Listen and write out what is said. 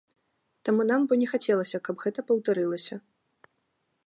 Таму нам бы не хацелася, каб гэта паўтарылася.